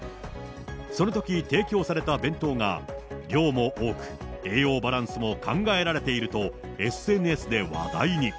そのとき提供された弁当が、量も多く、栄養バランスも考えられていると、ＳＮＳで話題に。